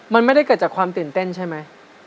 มันไม่ได้เกิดจากความตื่นเต้นใช่ไหม